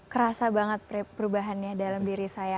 kerasa banget perubahannya dalam diri saya